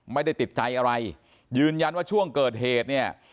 ไม่ได้ติดใจอะไรยืนยันว่าช่วงเกิดเหตุเนี่ย